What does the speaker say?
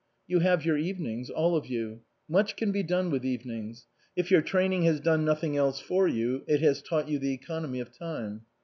"You have your evenings all of you. Much can be done with evenings ; if your training has done nothing else for you it has taught you the economy of time.